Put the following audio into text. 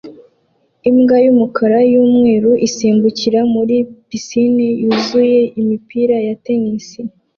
Imbwa y'umukara n'umweru isimbukira muri pisine yuzuyemo imipira ya tennis